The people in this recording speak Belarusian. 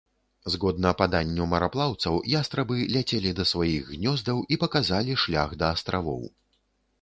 Згодна паданню мараплаўцаў, ястрабы ляцелі да сваіх гнёздаў і паказалі шлях да астравоў.